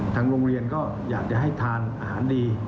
ทางโรงเรียนก็อยากจะให้ทานอาหารดี